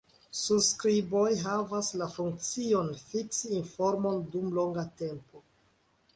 Surskriboj havas la funkcion, fiksi informon dum longa tempo.